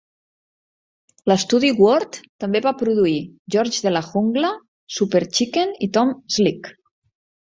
L'estudi Ward també va produir "George de la jungla", "Super Chicken" i "Tom Slick".